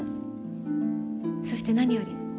そして何より。